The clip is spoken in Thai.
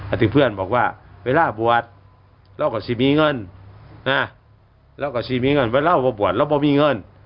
อันที่เพื่อนบอกว่าเวลาบวชเราก็จะมีเงินนะเราก็จะมีเงินเวลาบวชเราก็มีเงิน